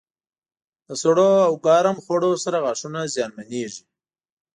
د سړو او ګرم خوړو سره غاښونه زیانمنېږي.